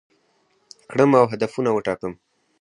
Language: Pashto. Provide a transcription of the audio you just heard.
کړم او هدفونه وټاکم،